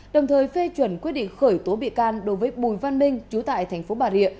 đồng thời phê chuẩn quyết định khởi tố bị can đối với bùi văn minh trú tại tp bà rịa